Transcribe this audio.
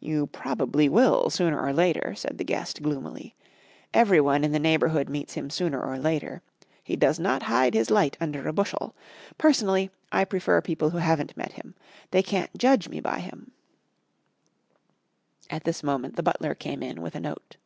"You probably will, sooner or later," said the guest gloomily. "Everyone in the neighbourhood meets him sooner or later. He does not hide his light under a bushel. Personally, I prefer people who haven't met him. They can't judge me by him." At this moment the butler came in with a note.